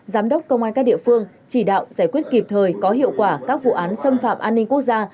giám đốc công an các địa phương chỉ đạo giải quyết kịp thời có hiệu quả các vụ án xâm phạm an ninh quốc gia